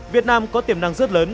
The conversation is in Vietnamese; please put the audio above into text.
việt nam có tiềm năng rất lớn